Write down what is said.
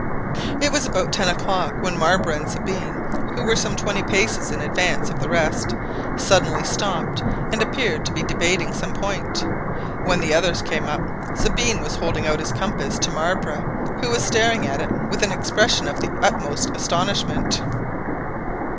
It was about ten o'clock when Marbre and Sabine, who were some twenty paces in advance of the rest, suddenly stopped and appeared to be debating some point. When the others came up, Sabine was holding out his compass to Marbre, who was staring at it with an expression of the utmost astonishment.